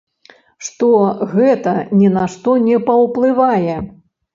Што гэта ні на што не паўплывае.